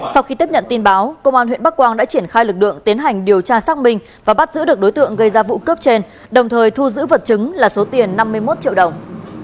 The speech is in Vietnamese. sau khi tiếp nhận tin báo công an huyện bắc quang đã triển khai lực lượng tiến hành điều tra xác minh và bắt giữ được đối tượng gây ra vụ cướp trên đồng thời thu giữ vật chứng là số tiền năm mươi một triệu đồng